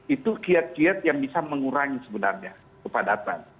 itu kiat kiat yang bisa mengurangi sebenarnya kepadatan